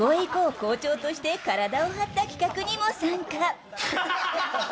校長として体を張った企画にも参加。